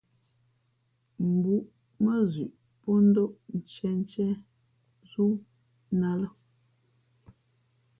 Mbǔʼ mά zʉʼ pó ndóʼ ntīēntíé wú nά ā lά.